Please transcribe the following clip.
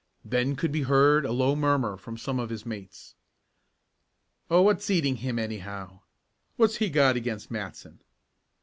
Then could be heard a low murmur from some of his mates. "Oh, what's eating him, anyhow?" "What's he got against Matson?"